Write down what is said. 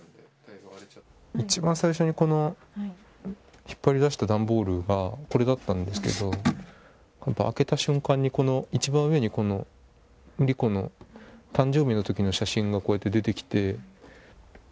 一番最初にこの、引っ張り出した段ボールがこれだったんですけど、開けた瞬間にこの、一番上にこの莉子の誕生日のときの写真がこうやって出てきて。